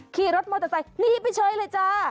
ขี่รถมอเตอร์ไซค์หนีไปเฉยเลยจ้า